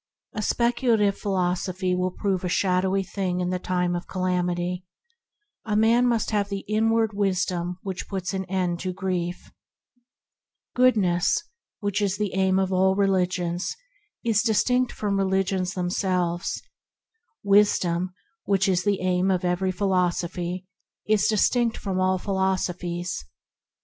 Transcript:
A spec ulative philosophy will prove a shadowy thing in the time of calamity; a man must have the inward Wisdom that puts an end to grief. THE UNFAILING WISDOM 111 Goodness, the aim of all religions, is distinct from the religions themselves. Wis dom, the aim of every philosophy, is distinct from all philosophies.